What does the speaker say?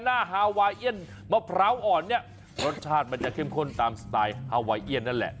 ฮาวาเอียนมะพร้าวอ่อนเนี่ยรสชาติมันจะเข้มข้นตามสไตล์ฮาไวเอียนนั่นแหละ